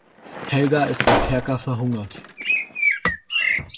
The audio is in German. Helga ist im Kerker verhungert.